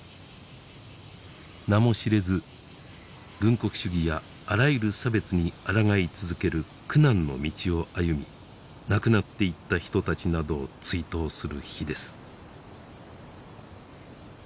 名も知れず軍国主義やあらゆる差別に抗い続ける苦難の道を歩み亡くなっていった人たちなどを追悼する碑です。